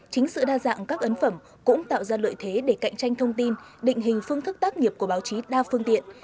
chính sự đa dạng các ấn phẩm cũng tạo ra lợi thế để cạnh tranh thông tin định hình phương thức tác nghiệp của báo chí đa phương tiện